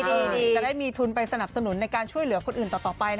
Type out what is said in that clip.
ดีจะได้มีทุนไปสนับสนุนในการช่วยเหลือคนอื่นต่อไป